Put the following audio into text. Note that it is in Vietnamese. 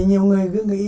nhiều người cứ nghĩ